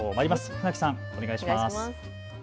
船木さん、お願いします。